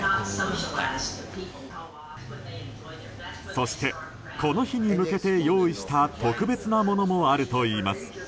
そしてこの日に向けて用意した特別なものもあるといいます。